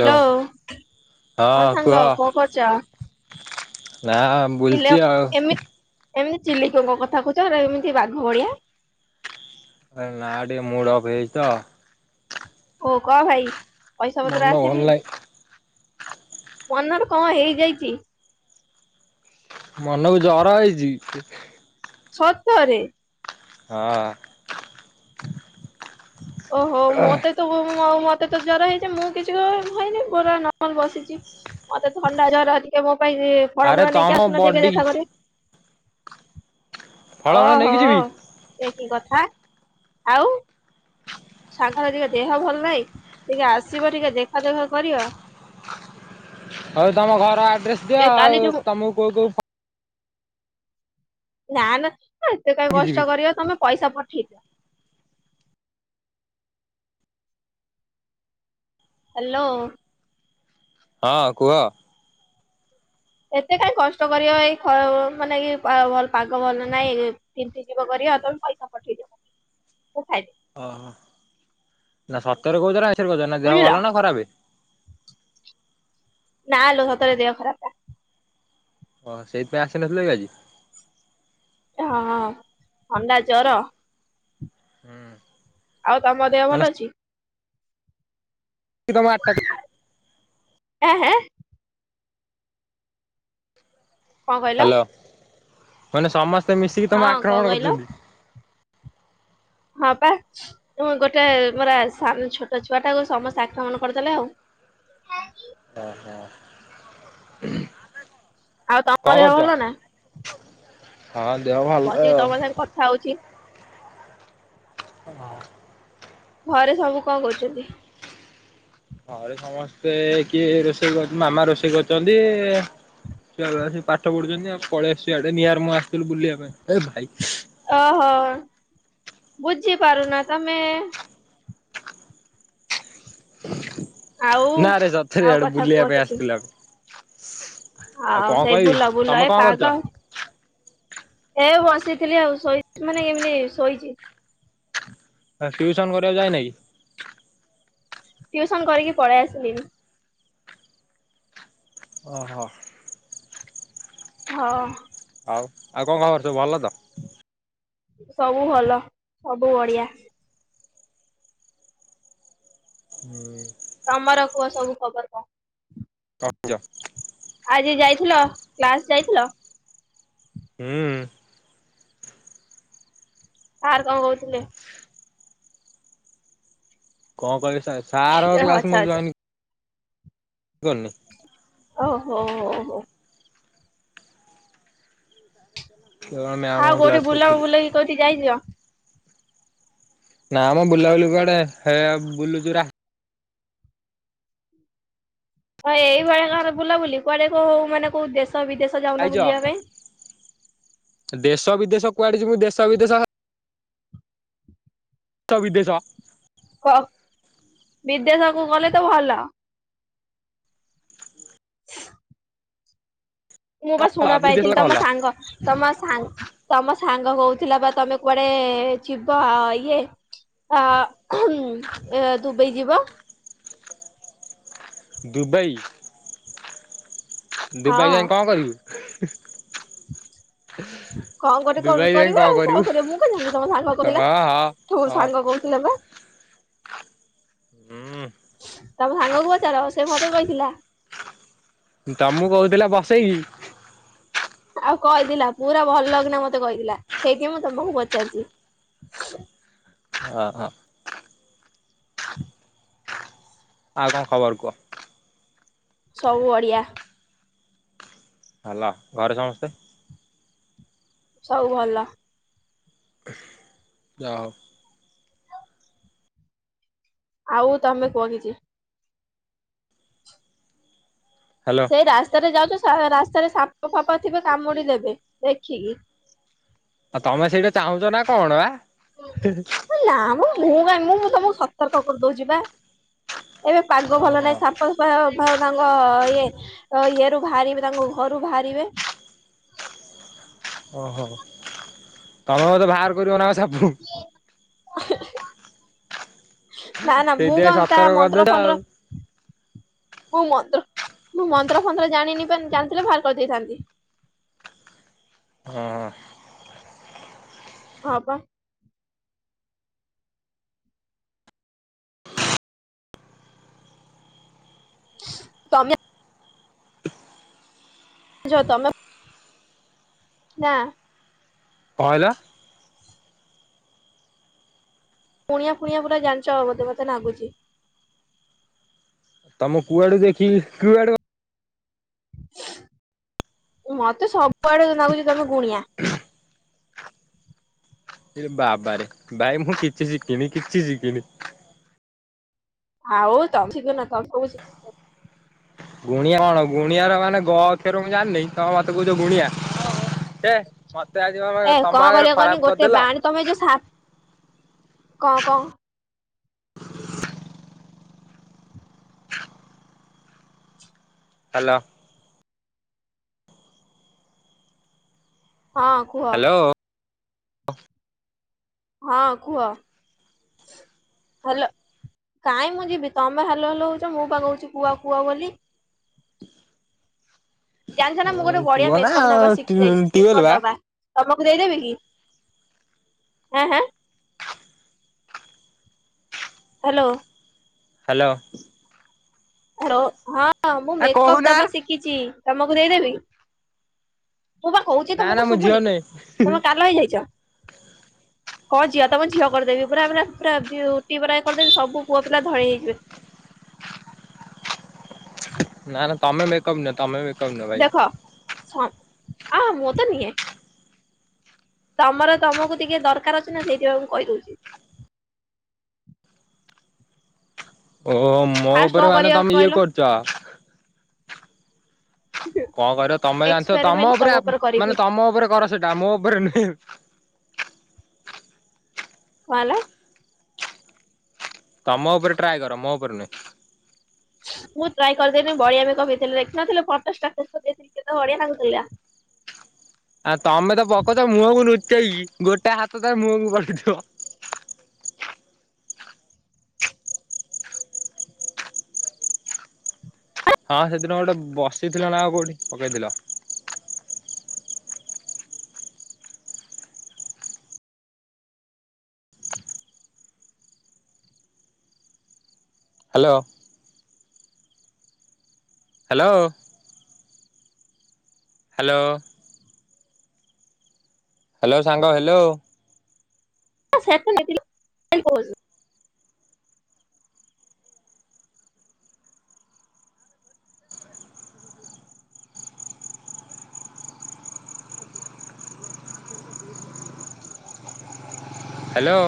Hello ହଁ ହଁ କୁହ ସଙ୍ଗ କଣ କରଛ। ନା ବୁଲଚି ଆଉ ଏମିତି ଚିଲିକଙ୍କ କଥା କହୁଛ ଏମିତି ବାଘ ଭଳିଆ ନାଡ ମୁଡ ଓଫ ହେଇଛି ତ ଓ କହ ଭାଇ ମନ ଭଲ ହି ପନର କଣ ହେଇଯାଇଛି। ମନକୁ ଜର ହେଇଛି। ସତ୍ତରେ ହଁ। ଓହୋ ମତେ ତ ଆଉ ମତେ ତ ଜର ହେଇଛି ମୁଁ କିଛି ଭଇନି ପୁରା ନର୍ମଲ ବସିଛି ମତେ ଥଣ୍ଡା ଜର ଟିକେ ପାଇଁ ଫଡା ଆରେ ଫଡ଼ା ତମ ନେଇକି ଆସୁନା ଦେଖେ ବଡି ଦେଖା କର। ଫଳମୂଳ ଓହୋ ନେଇକି ଯିବି ସେକି କଥା ଆଉ ସାଙ୍ଗରେ ଟିକେ ଦେହ ଭଲ ନାହିଁ ଟିକେ ଆସିବ ଟିକେ ଦେଖା ଦେଖା କରିବ। ହଉ ତମ ଘର ଆଡ୍ରେସ ଦିଅ ଏ ଆଉ କାଲିଠୁ ତମକୁ କୋଉ କୋଉ ଫ ନା ନା। ଏତେ କାଇଁ ନେଇକି ଯିବି। କଷ୍ଟ କରିବ ତମେ ପଇସା ପ ଇ ଦିଅ। ହାଲୋ। ହଁ କୁହ। ଏତେ କାଇଁ କଷ୍ଟ କରିବ ଏଇ ଖ ମାନେ ଇଏ ପା ଭ ପାଗ ଭଲ ନାଇଁ ତିନ୍ତି ଯିବ କରିବ ତମେ ପଇସା ପଠେଇଦିଅ ଖାଇ। ଓହୋ ନା ସତରେ କହୁଚ ନା। ମିଛ ରେ କହୁଛ ନା ଦେହ ବୁଝିଲ ଭଲ ନା ଖରାପେ। ନା ଲୋ ସତରେ ଦେହ ଖରାପେ। ଓ ସେଇଥିପାଇଁ ଆସିନଥିଲେ କି ଆଜି। ହଁ ଥଣ୍ଡା ଜର। ହୁଁ। ଆଉ ତମ ଦେହ ଭଲ ଅଛି। କି ତମ ଆଠଟା। ହେଁ। କଣ କହିଲ। ହ୍ୟାଲୋ ମାନେ। ସମସ୍ତେ ମିଶିକି ତମେ ହଁ କଣ ଆକ୍ରମଣ କହିଲ କରୁଛନ୍ତି। ହଁ ପା ଗୋଟେ ମୋରା ସ ଛୋଟ ଛୁଆ ଟାକୁ ସମସ୍ତେ ଆକ୍ରମଣ କରିଦେଲେ ଆଉ। ଓ ହୋ। ଆଉ ତମ ଦେହ ଭଲ ନା। ହଁ ଦେହ ଭଲ। ବସିକି ତମ ସାଙ୍ଗେ କଥା ହଉଛି ହଁ। ଘରେ ସବୁ କଣ କରୁଚନ୍ତି? ଘରେ ସମସ୍ତେ କିଏ ରୋଷେଇ କର, ମାମା ରୋଷେଇ କରୁଚନ୍ତି, ଛୁଆ ଗୁଡ଼ା ବସି ପାଠ ପଢୁଚନ୍ତି ଆଉ ମୁଁ ପଳେଇ ଆସଚି ଇଆଡେ ନିଆର ମୁଁ ଆସିଥିଲି ବୁଲିବା ପାଇଁ ଏ ଭାଇ ଓହୋ ବୁଝି ପାରୁନା ତମେ? ଆଉ ନା ରେ ସତରେ ଆଡେ ବୁଲିବା ପାଇଁ ଆସିଥିଲା। ହଉ ସେଇ ବୁଲ ବୁଲ ତମେ ଏ କଣ କରୁଛ ପାଗ ଏ ବସିଥିଲି ଆଉ ଶୋଇ ମାନେ ଏମିତି ଶୋଇଚି। ଆ ଟିଉସନ କରିବାକୁ ଯାଇନ କି? ଟିଉସନ କରିକି ପଳେଇ ଆସିଲିଣି। ଓହୋ। ହ। ଆଉ ଆଉ କଣ ଖବର ସବୁ ଭଲ ତ? ସବୁ ଭଲ ସବୁ ବଢିଆ। ହୁଁ। ତମର କୁହ ସବୁ ଖବର କଣ? [unintelligible] ଜ। ଆଜି ଯାଇଥିଲ କ୍ଲାସ ଯାଇଥିଲ? ହୁଁ। ସାର୍ କଣ କହୁଥିଲେ? କଣ କର ସାରଙ୍କ କ୍ଲାସ ଆଚ୍ଛା ମୁଁ ଆଚ୍ଛା ଜାଇନ୍ ଜାଣନି। ଓ ହୋ ହୋ। କେବଳ ମ୍ୟାମ ଆଉ କ୍ଲାସ କୋଉଠି ବୁଲ କରୁଥିଲି। ବୁଲକି କୋଉଠି ଯାଇଚ? ନା ଆମ ବୁଲାବୁଲି କୁଆଡେ ହେ ବୁଲୁଚୁ ରା ହଁ ଏଇଭଳିଆ କାରେ ବୁଲାବୁଲି କୁଆଡେ କଉ ମାନେ କୋଉ ଦେଶ ବିଦେଶ ଯାଉନ ଆାଇଚ ବୁଲିବା ପାଇଁ ଦେଶ ବିଦେଶ କୁଆଡେ ଯିବୁ ଦେଶ ବିଦେଶ ସ ବିଦେଶ କ ବିଦେଶକୁ ଗଲେ ତ ଭଲ। ମୁଁ ବା ଭଲ ଶୁଣା ବିଦେଶ ପାଇଥିଲି ଭଲ। ତମ ସାଙ୍ଗ ତମ ସାଙ୍ଗ ତମ ସାଙ୍ଗ କହୁଥିଲା ବା ତମେ କୁଆଡେ ଯିବ ୟେ ଇଏ ଦୁବଇ ଯିବ। ଦୁବାଇ? ଦୁବାଇ ହଁ ଯାଇ କଣ କରିବି? [inaudible] କଣ ଗୋଟେ କରିବ ଆଉ କଣ କରିବୁ କରବ ମୁଁ କଣ ଜାଣିଲି ତମ ସାଙ୍ଗ କହୁଥିଲା ହଁ ସବୁ ହଁ। ସାଙ୍ଗ କହୁଥିଲେ ବା। ହଁ [inaudible] ତମ ସାଙ୍ଗକୁ ପଚାର ସେ ମତେ କହିଥିଲା। ତମକୁ କହୁଥିଲେ ବସ ସେଇ ଆଉ କହିଥିଲା, ପୁରା ଭଲ କିନା ମୋତେ କହିଥିଲା। ସେଇଥି ମୁଁ ତୋମକୁ ପଚାରୁଚି। ଓ, ହଁ। ଆଉ କଣ ଖବର କୁହ? ସବୁ ଓଡ଼ିଆ। ହେଲା ଘରେ ସମସ୍ତେ ସବୁ ଭଲ। ଯା ହଉ। ଆଉ ତୋମେ କୁହ କିଛି। ହ୍ୟାଲୋ ସେଇ ରାସ୍ତାରେ ଯାଉଚ ଥ-ରାସ୍ତାରେ ସାପ ଫାପ ଥିବେ କାମୁଡି ଦେବେ ଦେଖିକି। ଆଉ ତମେ ସେଇଟା ଚାହୁଁଛ ନା କଣ ବା? ହଁ, ନା ମୋ। ମୁଁ କାଇଁ ମୁଁ ତୋମକୁ ସତର୍କ କରିଦଉଚି ବା। ଏବେ ପାଗ ଭଲ ଓହୋ ନାହିଁ। ସାପ ଫାପ ଭ ତାଙ୍କ ଇଏ ଅ, ଇଏରୁୁ ବାହାରିବେ ତାଙ୍କ ଘରୁ ବାହାରିବେ। ଓହୋ! ତୋମେ ବୋଧେ ବାହାର କରିବ ନା ସା ନା ନା ମୁଁ ସେଇଥିପାଇଁ କଣ ତା ସତର୍କ ମନ୍ତ୍ର କରିଦଉଛ ଆଉ। ଫନ୍ତ୍ର ମୁଁ ମନ୍ତ୍ର ମୁଁ ମନ୍ତ୍ର ଫନ୍ତ୍ର ଜାଣିନି ପାନ ଜାଣିଥିଲେ ଭାର କରିଦେଇଥାନ୍ତି। ହଁ। ହଁ ପା। ତୋମେ ଯ ତମେ ନା। କଣ ହେଲା? ଗୁଣିଆ ଫୁଣିଆ ପୁରା ଜାଣିଚ ଆଉ ବୋଧେ ମୋତେ ନାଗୁଚି । ତମୁ କୁଆଡୁ ଦେଖିକି କୁଆଡୁ ମୋତେ ସବୁ କୁଆଡେ ତ ନାଗୁଚି ତୋମେ ଗୁଣିଆ। ଇରେ ବାବାରେ ଭାଇ ମୁଁ କିଛି ଶିଖିନି କିଛି ଶିଖିନି। ଆଉ [unintelligible] କହୁଛୁ [inaudible] ଗୁଣିଆ କଣ ଗୁଣିଆର ମାନେ ଗ ଅକ୍ଷର ମୁଁ ଜାଣିନାଇଁ ତ ମତେ କ ତ ଗୁଣିଆ ହେ ମୋତେ ଆଜି କଣ ଏ ତୋମ ଆଗରେ କରିବା କହନି ଖରାପ ଗୋଟେ କରିଦେଲ। ବାଣୀ ତମେ ଯୋଉ ସା କଣ କଣ ହାଲୋ। ହଁ କୁହ। ହାଲୋ। ହଁ କୁହ ହଲୋ କାଇଁ ମୁଁ ଯିବି ତୋମେ ହାଲ ହାଲ ହଉଚ ମୁଁ ପା କହୁଚି କୁଅ କୁଅ ବୋଲି। ଜାଣିଛ ନା ମୁଁ ଉଁ ଗୋଟେ ବଢିଆ କୁହ ନା ମେକପ୍ ନବା ଶିଖି ଯାଇଚି। ଟ୍ୟୁବଲ ମେକପ୍ ବା। ଦବା। ତୋମକୁ ଦେଇଦେବି କି? ଆଁ, ହାଁ। ହ୍ୟାଲୋ। ହାଲୋ। ହେ ରଅ ହଁ। ହଁ ମୁଁ ଆ ମେକପ୍ କହୁନା ଦବା ଶିକିଚି। ତମକୁ ଦେଇଦେବି? ମୁଁ ବା କହୁଚି ନା ନା ତମକୁ ମୁଁ ଝିଅ ଶୁଭୁନିକି କି ନୁହେଁ ତମେ କାଲ ହେଇଯାଇଚ? କ ଝିଅ ତମ ଝିଅ କରିଦେବି ପୁରାେ ପୁରା ପୁରା ବିଉଟି ପରା କରିଦେବି ସବୁ ପୁଅ ପିଲା ଧଇଁ ହେଇଯିବେ। ନା ନା ତମେ ମେକଅପ ନିଅ ତମେ କଙ୍ଗା ଭାଇ। ସନ୍ ଆହା ମୁ ତ ନିଏ। ତମର ତମକୁ ଟିକେ ଦରକାର ଅଚି ନା ସେଇଥିପାଇ ମୁଁ କହିଦଉଚି। ଓହୋ ମୋ ଫାଷ୍ଟ କଣ ଉପରେ ମାନେ କରିବା ତମେ ଇଏ କହିଲ କରୁଚ। କଅଁ କରିବ ତମେ ଜାଣିଥିବ ତମ ଉପରେ ମାନେ ତମ ଉପରେ କର ସେଟା ମୋ ଉପରେ ନୁହେଁ। କଣ ହେଲା? ତମ ଉପରେ ଟ୍ରାଏ କର ମୋ ଉପରେ ନୁହେଁ। ମୁଁ ଟ୍ରାଏ କରିଦେଲି ବଢିଆ ବଢିଆ ବି କଫି ଥିଲେ ଦେଖିନଥିଲେ ପଚାଶ ଟା ଦେଇଥିଲି କେତେ ବଢଆ ଲାଗୁଥିଲା। ଆଉ ତମେ ତ ପକୋଉଚ ମୁହଁକୁ ନୁ ଚେଇ ଗୋଟେ ହାତ ତାର ମୁହଁକୁ ପଡିଥିବ। ହଁ ସେଦିନ ଗୋଟେ ବସିଥିଲା ନା ଆଉ କୋଉଠି ପକେଇଥିଲ? ହ୍ୟାଲୋ। ହ୍ୟାଲୋ। ହ୍ୟାଲୋ। ହ୍ୟାଲୋ ସାଙ୍ଗ ହ୍ୟାଲୋ। ସେ ନେଇଥିଲ କହୁଛ। ହ୍ୟାଲୋ।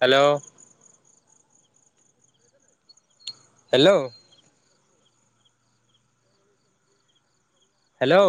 ହ୍ୟାଲୋ। ହ୍ୟାଲୋ। ହ୍ୟାଲୋ।